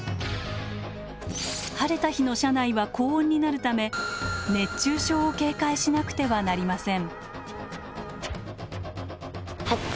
晴れた日の車内は高温になるため熱中症を警戒しなくてはなりません。